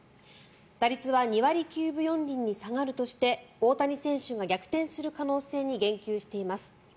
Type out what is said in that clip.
打率は２割９分４厘に下がるとして大谷選手の逆転する可能性に言及しています。